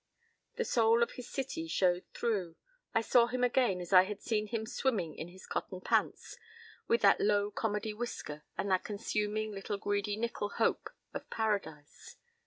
p> The soul of his city showed through. I saw him again as I had seen him swimming in his cotton pants, with that low comedy whisker and that consuming little greedy nickel hope of paradise.